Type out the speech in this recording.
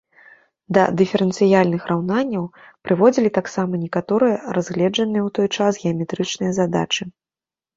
Да дыферэнцыяльных раўнанняў прыводзілі таксама некаторыя разгледжаныя ў той час геаметрычныя задачы.